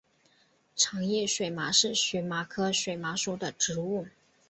长叶水麻是荨麻科水麻属的植物。